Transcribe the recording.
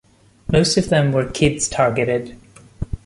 Most of them were kids-targeted.